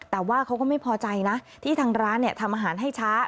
แต่ว่าเขาก็ไม่พอใจนะที่ทางร้านทำอาหารให้ช้า